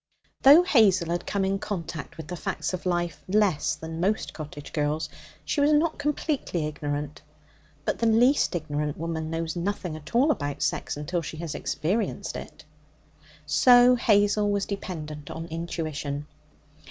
Though Hazel had come in contact with the facts of life less than most cottage girls, she was not completely ignorant. But the least ignorant woman knows nothing at all about sex until she has experienced it. So Hazel was dependent on intuition.